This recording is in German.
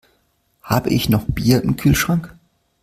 Habe ich noch Bier im Kühlschrank?